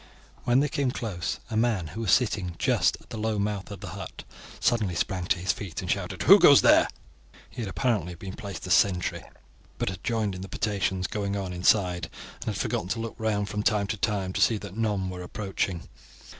When they came close, a man who was sitting just at the low mouth of the hut suddenly sprang to his feet and shouted, "Who goes there?" He had apparently been placed as sentry, but had joined in the potations going on inside, and had forgotten to look round from time to time to see that none were approaching.